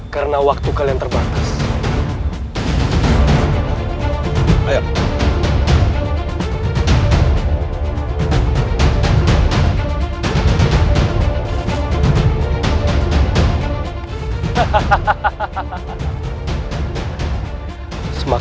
karena waktu kalian terbatas